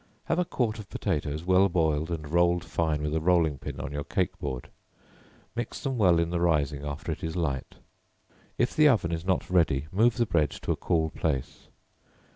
Have a quart of potatoes well boiled and rolled fine with a rolling pin on your cake board; mix them well in the rising after it is light; if the oven is not ready, move the bread to a cool place.